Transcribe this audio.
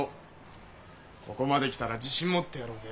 ここまで来たら自信持ってやろうぜ。